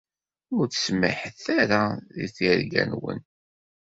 Ur ttsemmiḥet ara deg tirga-nwen.